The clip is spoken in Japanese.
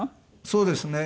そうですね。